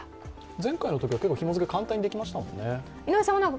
前回のときはひも付けが簡単にできましたもんね。